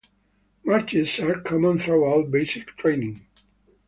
Marches are common throughout basic training.